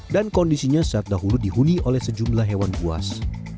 dan kondisinya seadahulu dihuni oleh sejumlah hewan buas